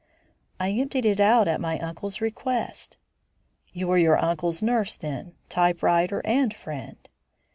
"I emptied it out at my uncle's request." "You were your uncle's nurse, then, typewriter, and friend?"